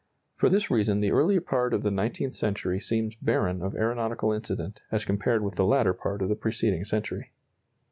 For this reason the early part of the nineteenth century seems barren of aeronautical incident as compared with the latter part of the preceding century.